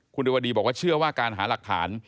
คุณดิวดีบอกว่าเชื่อว่าการหาหลักฐาน